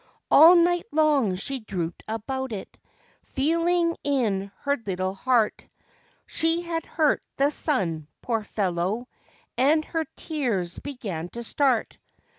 All night long she drooped about it, feel¬ ing in her little heart She had hurt the sun, poor fellow, and her tears began to start